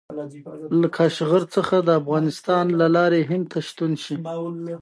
له کاشغر څخه د افغانستان له لارې هند ته ستون شي.